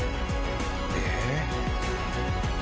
えっ？